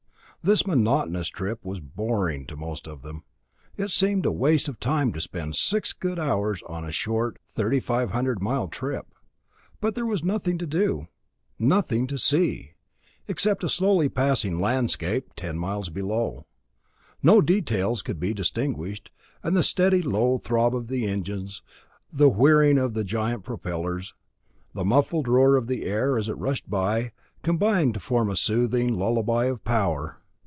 This monotonous trip was boring to most of them. It seemed a waste of time to spend six good hours in a short 3,500 mile trip. There was nothing to do, nothing to see, except a slowly passing landscape ten miles below. No details could be distinguished, and the steady low throb of the engines, the whirring of the giant propellers, the muffled roar of the air, as it rushed by, combined to form a soothing lullaby of power.